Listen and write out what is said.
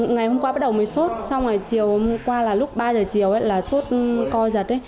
ngày hôm qua bắt đầu mới suốt xong rồi chiều hôm qua là lúc ba giờ chiều là suốt coi giật